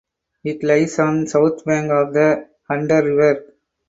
It lies on the south bank of the Hunter River.